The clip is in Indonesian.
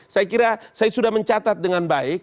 saya kira saya sudah mencatat dengan baik